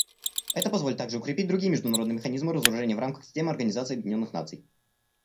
Это позволит также укрепить другие международные механизмы разоружения в рамках системы Организации Объединенных Наций.